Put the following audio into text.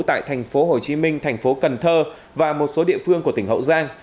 tại thành phố hồ chí minh thành phố cần thơ và một số địa phương của tỉnh hậu giang